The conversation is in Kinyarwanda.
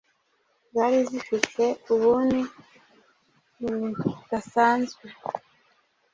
zari zifite ubuni busdasanzwe